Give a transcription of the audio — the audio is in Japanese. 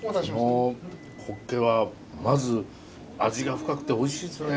このホッケはまず味が深くておいしいですね。